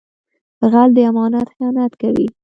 غل د امانت خیانت کوي